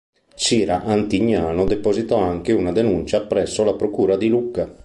Cira Antignano depositò anche una denuncia presso la Procura di Lucca.